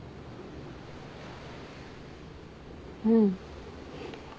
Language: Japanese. うん。